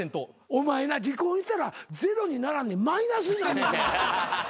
お前な離婚したらゼロにならんマイナスになんねん。